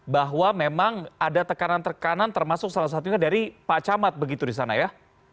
bahwa memang ada tekanan tekanan termasuk salah satunya dari pak camat begitu di sana ya